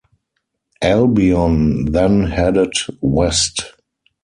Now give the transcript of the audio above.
"Albion" then headed west.